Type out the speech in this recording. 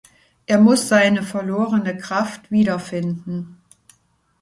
Er muss seine verlorene Kraft wiederfinden.